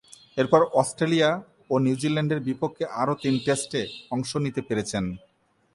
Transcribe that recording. এরপর অস্ট্রেলিয়া ও নিউজিল্যান্ডের বিপক্ষে আরও তিন টেস্টে অংশ নিতে পেরেছেন।